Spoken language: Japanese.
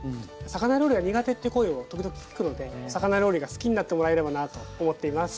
魚料理が苦手っていう声を時々聞くのでお魚料理が好きになってもらえればなと思っています。